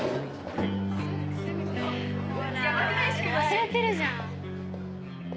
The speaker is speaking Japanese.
忘れてるじゃん。